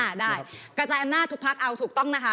ได้กระจายอำนาจทุกพักเอาถูกต้องนะคะ